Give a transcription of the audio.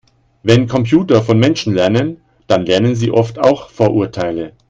Wenn Computer von Menschen lernen, dann lernen sie oft auch Vorurteile.